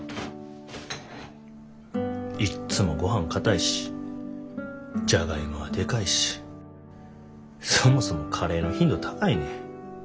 いっつもごはんかたいしジャガイモはでかいしそもそもカレーの頻度高いねん。